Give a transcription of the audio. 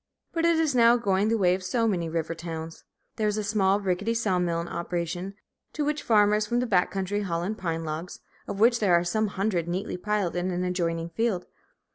But it is now going the way of so many river towns. There is a small, rickety saw mill in operation, to which farmers from the back country haul in pine logs, of which there are some hundreds neatly piled in an adjoining field.